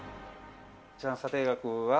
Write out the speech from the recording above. こちらの査定額は。